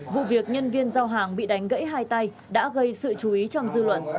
vụ việc nhân viên giao hàng bị đánh gãy hai tay đã gây sự chú ý trong dư luận